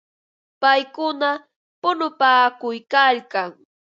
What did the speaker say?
Paykuna punupaakuykalkan.